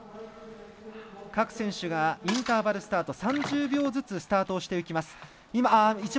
各選手がインターバルスタート３０秒ずつスタートしています。